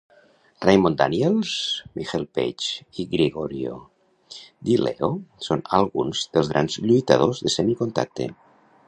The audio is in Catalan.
Raymond Daniels, Michael Page i Gregorio Di Leo són alguns dels grans lluitadors de semi-contacte.